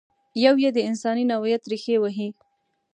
یو یې د انساني نوعیت ریښې وهي.